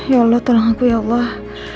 ya allah tolong aku ya allah